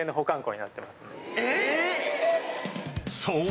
［そう。